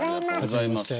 はじめまして。